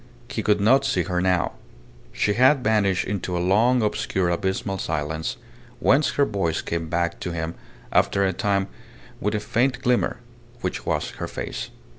He could not see her now. She had vanished into a long, obscure abysmal silence, whence her voice came back to him after a time with a faint glimmer, which was her face.